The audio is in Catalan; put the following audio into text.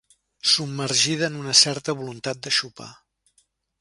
Submergida amb una certa voluntat de xopar.